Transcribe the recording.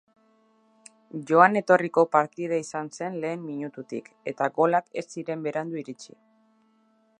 Joan etorriko partida izan zen lehen minututik eta golak ez ziren berandu iritsi.